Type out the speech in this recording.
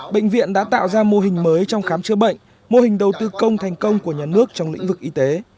bệnh viện đã tạo ra mô hình mới trong khám chữa bệnh mô hình đầu tư công thành công của nhà nước trong lĩnh vực y tế